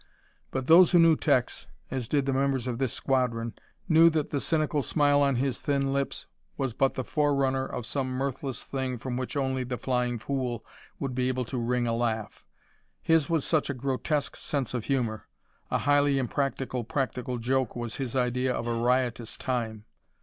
But those who knew Tex, as did the members of this squadron, knew that the cynical smile on his thin lips was but the forerunner of some mirthless thing from which only "The Flying Fool" would be able to wring a laugh. His was such a grotesque sense of humor; a highly impractical practical joke was his idea of a riotous time.